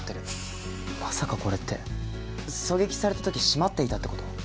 まさかこれって狙撃された時閉まっていたって事？